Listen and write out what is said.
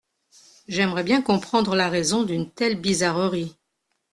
J’aimerais bien comprendre la raison d’une telle bizarrerie.